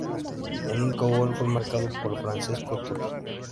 El único gol fue marcado por Francesco Totti.